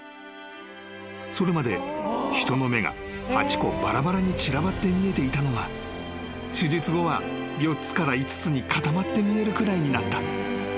［それまで人の目が８個ばらばらに散らばって見えていたのが手術後は４つから５つに固まって見えるくらいになった］